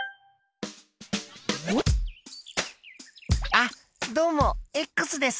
あっどうもです。